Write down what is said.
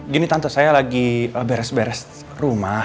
gini tante saya lagi beres beres rumah